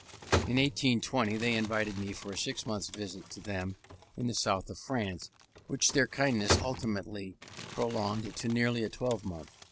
In 1820 they invited me for a six months' visit to them in the South of France, which their kindness ultimately prolonged to nearly a twelvemonth.